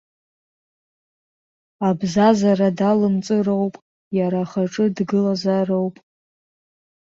Абзазара далымҵыроуп, иара ахаҿы дгылазароуп.